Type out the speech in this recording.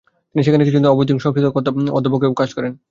তিনি সেখানে কিছুদিন অবৈতনিক সংস্কৃত অধ্যাপকের পদেও কাজ করেন।